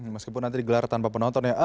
meskipun nanti gelar tanpa penonton ya